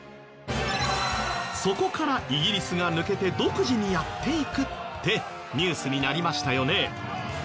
そこからイギリスが抜けて独自にやっていくってニュースになりましたよね。